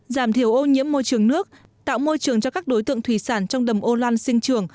giảm thiểu ô nhiễm môi trường nước tạo môi trường cho các đối tượng thủy sản trong đầm âu loan sinh trường